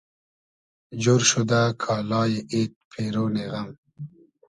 جۉر شودۂ کالای اید پېرۉنی غئم